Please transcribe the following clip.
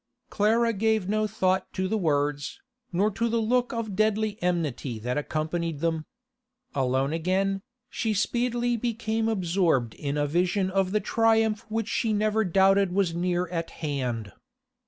Clara gave no thought to the words, nor to the look of deadly enmity that accompanied them. Alone again, she speedily became absorbed in a vision of the triumph which she never doubted was near at hand.